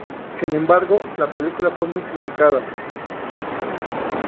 Sin embargo, la película fue muy criticada.